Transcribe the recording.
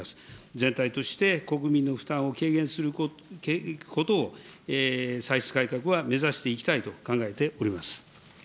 全体として、国民の負担を軽減することを、歳出改革は目指していきたいと考えております。